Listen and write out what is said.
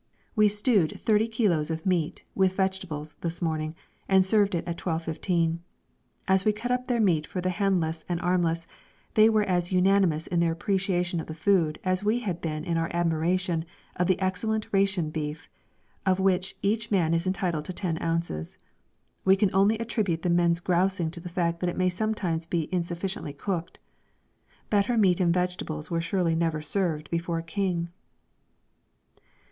We stewed 30 kilos of meat, with vegetables, this morning, and served it at 12.15. As we cut up their meat for the handless and armless, they were as unanimous in their appreciation of the food as we had been in our admiration of the excellent ration beef, of which each man is entitled to ten ounces. We can only attribute the men's grousing to the fact that it may sometimes be insufficiently cooked. Better meat and vegetables were surely never served before a king.